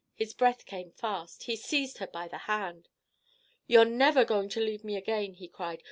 His breath came fast. He seized her by the hand. "You're never going to leave me again," he cried.